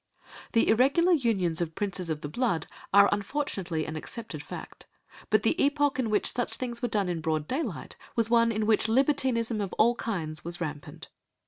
_) The irregular unions of princes of the blood are unfortunately an accepted fact, but the epoch in which such things were done in broad daylight was one in which libertinism of all kinds was rampant.